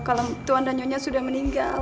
kalau tuan danionya sudah meninggal